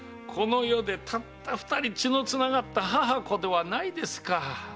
この世でたった二人血の繋がった母子ではないですか。